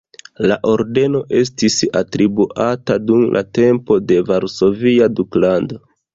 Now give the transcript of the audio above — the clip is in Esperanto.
La ordeno estis atribuata dum la tempo de Varsovia Duklando.